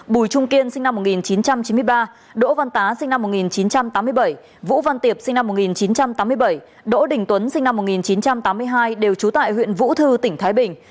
bùi trung kiên sinh năm một nghìn chín trăm chín mươi ba đỗ văn tá sinh năm một nghìn chín trăm tám mươi bảy vũ văn tiệp sinh năm một nghìn chín trăm tám mươi bảy đỗ đình tuấn sinh năm một nghìn chín trăm tám mươi hai đều trú tại huyện vũ thư tỉnh thái bình